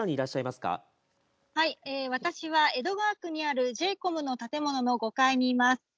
はい、私は江戸川区にあるＪ：ＣＯＭの建物の５階にいます。